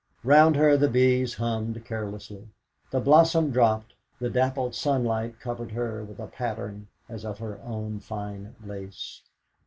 Round her the bees hummed carelessly, the blossom dropped, the dappled sunlight covered her with a pattern as of her own fine lace.